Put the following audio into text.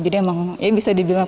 jadi emang ya bisa dibilang